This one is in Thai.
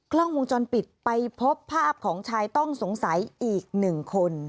กล้องวงจรปิดไปพบภาพของชายต้องสงสัยอีกหนึ่งคน